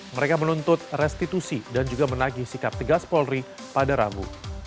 mereka menuntut restitusi dan juga menagih sikap tegas polri pada rabu